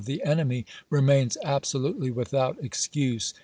x. the enemy, remains absolutely without excuse.